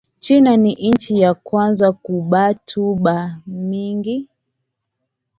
China ni inchi ya kwanza ku batu ba mingi